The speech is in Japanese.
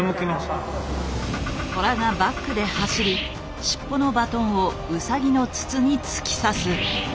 トラがバックで走り尻尾のバトンをウサギの筒に突き刺すバトンパス。